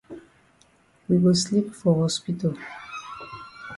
We go sleep for hospital.